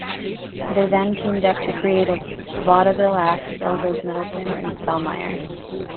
They then teamed up to create a vaudeville act billed as Middleton and Spellmeyer.